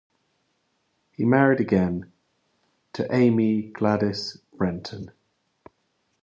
He married again to Aimee Gladys Brendon.